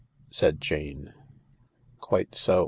." said Jane. " Quite so.